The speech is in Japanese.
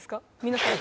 皆さん。